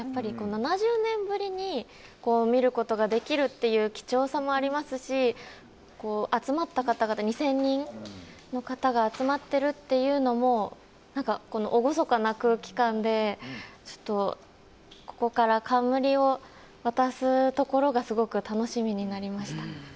７０年ぶりに見ることができるという貴重さもありますし集まった方々２０００人の方が集まっているというのも厳かな空気感でここから冠を渡すところがすごく楽しみになりました。